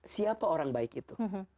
siapa orang baik itu